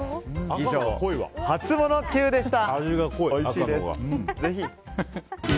以上、ハツモノＱでした。